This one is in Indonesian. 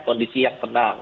kondisi yang tenang